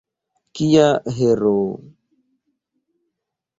Kia heroo!